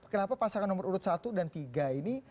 kenapa pasangan nomor urut satu dan tiga ini